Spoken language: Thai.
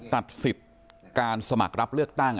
ตัดสิทธิ์การสมัครรับเลือกตั้ง